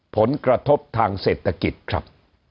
ผลกระทบทางเศรษฐกิจครับ